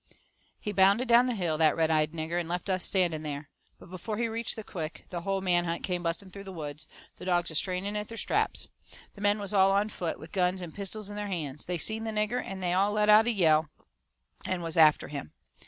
He bounded down the hill, that red eyed nigger, and left us standing there. But before he reached the crick the whole man hunt come busting through the woods, the dogs a straining at their straps. The men was all on foot, with guns and pistols in their hands. They seen the nigger, and they all let out a yell, and was after him.